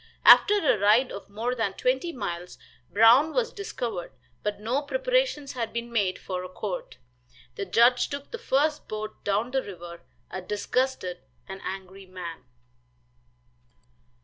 After a ride of more than twenty miles, Brown was discovered, but no preparations had been made for a court. The judge took the first boat down the river, a disgusted and angry man.